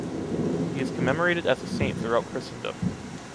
He is commemorated as a saint throughout Christendom.